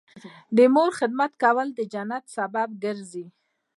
د مور خدمت کول د جنت سبب ګرځي